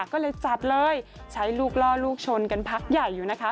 ก็เลยจัดเลยใช้ลูกล่อลูกชนกันพักใหญ่อยู่นะคะ